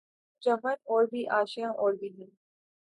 چمن اور بھی آشیاں اور بھی ہیں